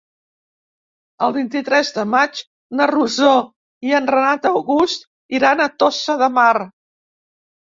El vint-i-tres de maig na Rosó i en Renat August iran a Tossa de Mar.